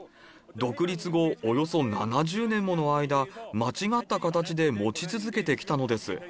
独立後、およそ７０年もの間、間違った形で持ち続けてきたのです。